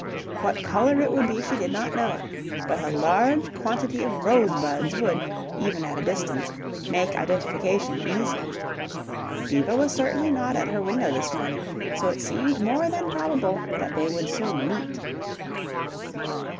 What colour it would be she did not know, but a large quantity of rosebuds would, even at a distance, make identification easy. Diva was certainly not at her window this morning, so it seemed more than probable that they would soon meet.